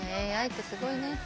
ＡＩってすごいね。